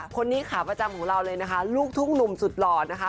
คนนี้ขาประจำของเราเลยนะคะลูกทุ่งหนุ่มสุดหล่อนะคะ